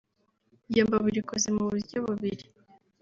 Iyo mbabura ikoze mu buryo bubiri